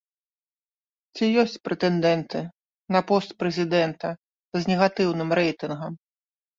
Ці ёсць прэтэндэнты на пост прэзідэнта з негатыўным рэйтынгам?